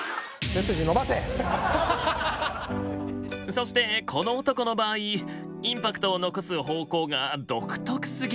そしてこの男の場合インパクトを残す方向が独特すぎた。